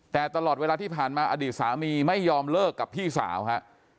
แต่ตลอดเวลาที่ผ่านมาอดีตสามีไม่ยอมเลิกกับพี่สาวฮะ